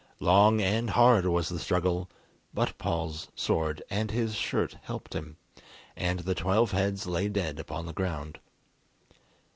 Long and hard was the struggle, but Paul's sword and his shirt helped him, and the twelve heads lay dead upon the ground.